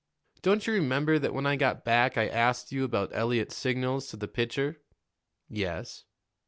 "Don't you remember that when I got back I asked you about Eliot's signals to the pitcher?" "Yes."